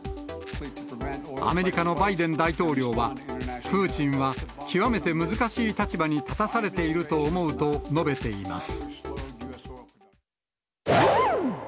アメリカのバイデン大統領は、プーチンは極めて難しい立場に立たされていると思うと述べています。